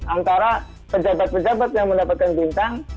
antara pejabat pejabat yang mendapatkan bintang